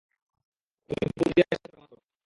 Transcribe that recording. তুমি ফৌজিয়ার সাথে রোমান্স করো।